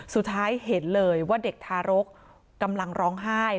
สุดท้ายเห็นเลยว่าเด็กทารกกำลังร้องไห้